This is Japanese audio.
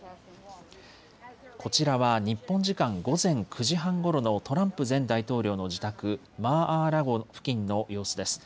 こちらは日本時間午前９時半ごろのトランプ前大統領の自宅、マー・アー・ラゴ付近の様子です。